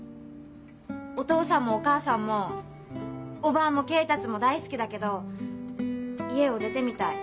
お父さんもお母さんもおばぁも恵達も大好きだけど家を出てみたい。